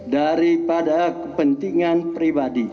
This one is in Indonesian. dari pada kepentingan pribadi